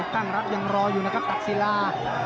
ตั้งรัฐยังรออยู่นะครับตักศิลา